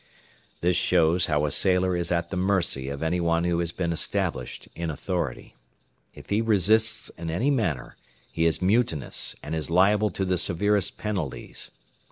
This shows how a sailor is at the mercy of any one who has been established in authority. If he resists in any manner, he is mutinous and is liable to the severest penalties.